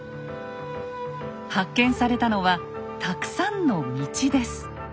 発見されたのはたくさんの「道」です。